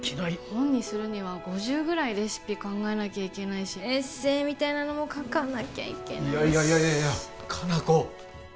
本にするには５０ぐらいレシピ考えなきゃいけないしエッセーみたいなのも書かなきゃいけないしいやいやいやいや果奈子！